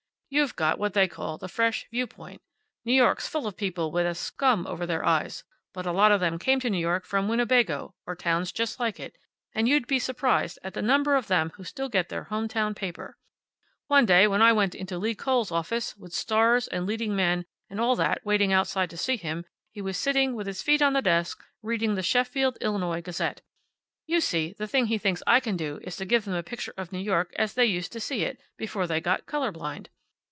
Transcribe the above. You've got what they call the fresh viewpoint. New York's full of people with a scum over their eyes, but a lot of them came to New York from Winnebago, or towns just like it, and you'd be surprised at the number of them who still get their home town paper. One day, when I came into Lee Kohl's office, with stars, and leading men, and all that waiting outside to see him, he was sitting with his feet on the desk reading the Sheffield, Illinois, Gazette.' You see, the thing he thinks I can do is to give them a picture of New York as they used to see it, before they got color blind.